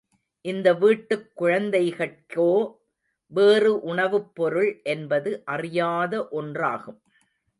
இந்த வீட்டுக் குழந்தைகட்கோ, வேறு உணவுப் பொருள் என்பது அறியாத ஒன்றாகும்.